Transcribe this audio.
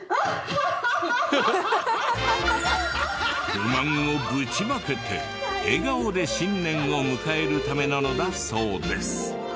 不満をぶちまけて笑顔で新年を迎えるためなのだそうです。